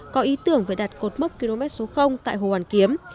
có ý tưởng phải đặt cột mốc km số tại hồ hoàn kiếm